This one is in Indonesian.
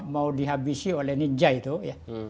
mau dihabisi oleh ninjai itu ya